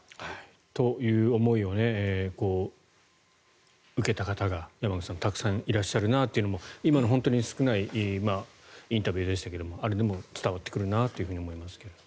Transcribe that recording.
という思いを受けた方が山口さん、たくさんいらっしゃるなというのも今の本当に少ないインタビューでしたがあれでも伝わってくるなと思いますが。